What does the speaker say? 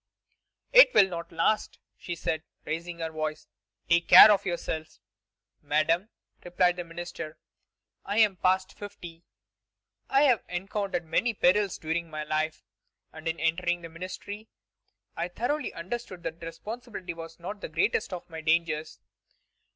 "It will not last," she said, raising her voice; "take care of yourself!" "Madame," replied the minister, "I am past fifty; I have encountered many perils during my life, and in entering the ministry, I thoroughly understood that responsibility was not the greatest of my dangers."